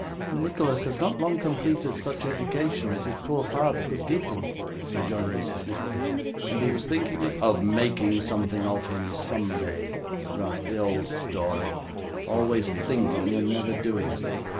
'Nicholas has not long completed such education as his poor father could give him,' rejoined Mrs. Nickleby, 'and he was thinking of ' 'Of making something of him someday,' said Ralph. 'The old story; always thinking, and never doing.